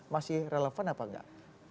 masih relevan apa enggak